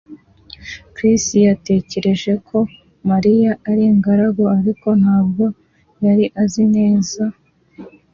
Chris yatekereje ko Mariya ari ingaragu ariko ntabwo yari azi neza